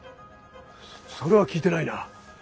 それは聞いてないな。